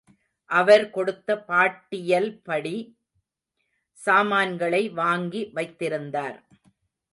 அவர் கொடுத்த பாட்டியல்படி சாமான்களை வாங்கி வைத்திருந்தார்.